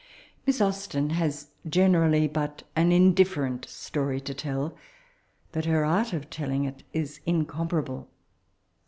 Miss Austen has generally but aa indifferent story to tell, but her art of telling it is incomparable.